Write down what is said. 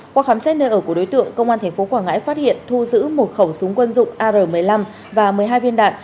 qua khám xét nơi ở của đối tượng công an tp quảng ngãi phát hiện thu giữ một khẩu súng quân dụng ar một mươi năm và một mươi hai viên đạn